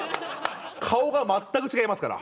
顔が全く違いますから！